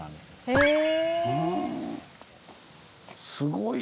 へえ！